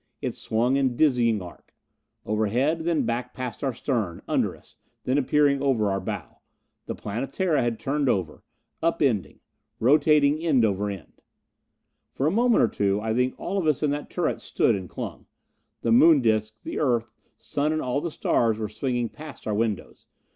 It swung in dizzying arc. Overhead, then back past our stern; under us, then appearing over our bow. The Planetara had turned over. Upending. Rotating, end over end. For a moment or two I think all of us in that turret stood and clung. The Moon disc, the Earth, Sun and all the stars were swinging past our windows.